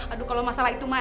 aduh kalau masalah itu mah